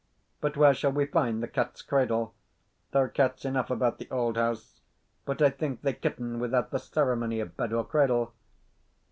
But where shall we find the Cat's Cradle? There are cats enough about the old house, but I think they kitten without the ceremony of bed or cradle."